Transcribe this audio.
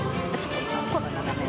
この斜め。